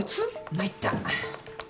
参った。